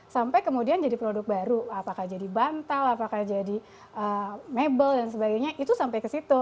sampai kemudian jadi produk baru apakah jadi bantal apakah jadi mebel dan sebagainya itu sampai ke situ